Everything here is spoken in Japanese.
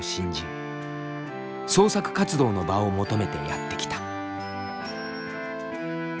創作活動の場を求めてやって来た。